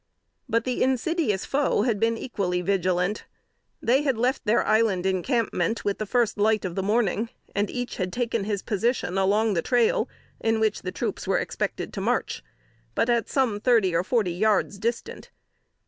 But the insidious foe had been equally vigilant. They had left their island encampment with the first light of the morning, and each had taken his position along the trail in which the troops were expected to march, but at some thirty or forty yards distant.